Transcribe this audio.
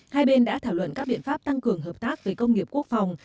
hai bên đã thảo luận các biện pháp tăng cường hợp tác về công nghiệp quốc phòng